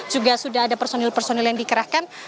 juga sudah ada personil personil yang dikerahkan